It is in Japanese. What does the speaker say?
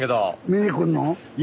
見に来んの？